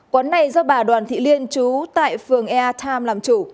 quán này do bà đoàn thị liên trú tại phường air time làm chủ